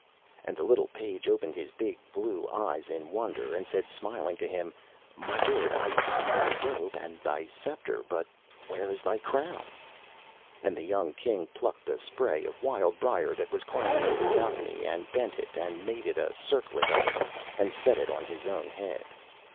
And the little page opened his big blue eyes in wonder, and said smiling to him, 'My lord, I see thy robe and thy sceptre, but where is thy crown?' And the young King plucked a spray of wild briar that was climbing over the balcony, and bent it, and made a circlet of it, and set it on his own head.